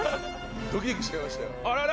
ドキドキしちゃいましたよあれ！